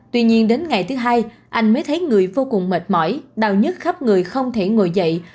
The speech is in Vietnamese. tuy nhiên đến ngày thứ hai anh mới thấy người vô cùng mệt mỏi đau nhất khắp người không thể ngồi dậy